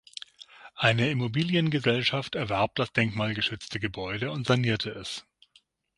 Eine Immobiliengesellschaft erwarb das denkmalgeschützte Gebäude und sanierte es.